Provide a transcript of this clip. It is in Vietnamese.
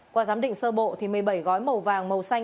qua giám định sơ bộ một mươi bảy gói màu vàng màu xanh